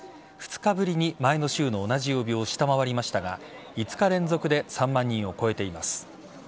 ２日ぶりに前の週の同じ曜日を下回りましたが５日連続で３万人を超えています。